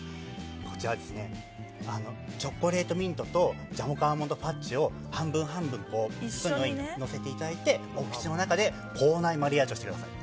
これは、チョコレートミントとジャモカアーモンドファッジを半分、半分でのせていただいてお口の中で口内マリアージュしてください。